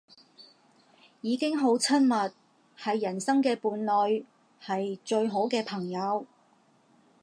已經好親密，係人生嘅伴侶，係最好嘅朋友